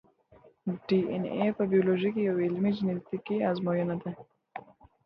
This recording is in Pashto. ډی این ای په بیولوژي کي یوه علمي جنتیکي ازموینه ده،